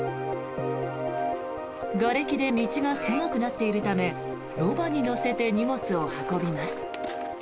がれきで道が狭くなっているためロバに乗せて荷物を運びます。